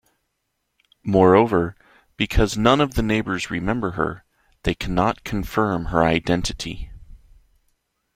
Moreover, because none of the neighbors remember her, they cannot confirm her identity.